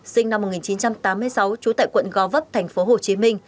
sinh năm một nghìn chín trăm tám mươi sáu trú tại quận gò vấp tp hcm